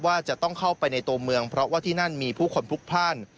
ว่าจะต้องเข้าไปในตัวเมืองเพราะว่าที่นั่นมีผู้คนพลุกพลาด